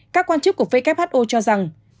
các quan chức của who cho rằng